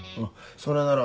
それなら。